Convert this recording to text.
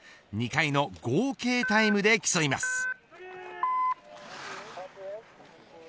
２回の合計タイムで競います。